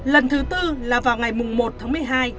lần thứ tư là vào ngày một tháng một mươi hai